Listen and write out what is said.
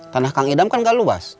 tanah kang idam kan gak luas